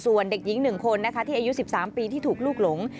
ส่วนเด็กหญิง๑คนนะคะที่อายุ๑๓ปีที่ถูกลูกหลง